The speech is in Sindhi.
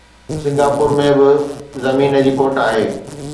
سنگاپور ۾ به زمين جي کوٽ آهي.